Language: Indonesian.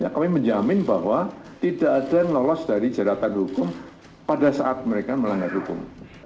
kami menjamin bahwa tidak ada yang lolos dari jeratan hukum pada saat mereka melanggar hukum